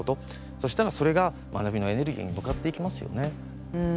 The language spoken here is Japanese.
そしたら、それが学びのエネルギーに向かっていきますよね。